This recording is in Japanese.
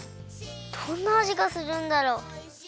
どんなあじがするんだろう？